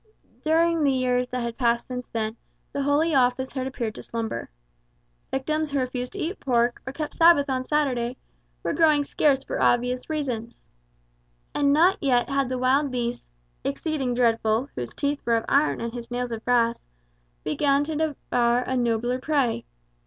During the years that had passed since then, the Holy Office had appeared to slumber. Victims who refused to eat pork, or kept Sabbath on Saturday, were growing scarce for obvious reasons. And not yet had the wild beast "exceeding dreadful, whose teeth were of iron and his nails of brass," begun to devour a nobler prey.